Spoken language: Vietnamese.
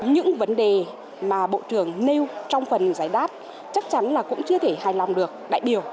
những vấn đề mà bộ trưởng nêu trong phần giải đáp chắc chắn là cũng chưa thể hài lòng được đại biểu